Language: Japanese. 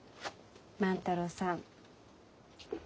万太郎さん。